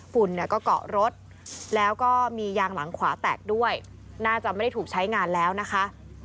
ฝุ่นเนี่ยก็เกาะรถแล้วก็มียางหลังขวาแตกด้วยน่าจะไม่ได้ถูกใช้งานแล้วนะคะ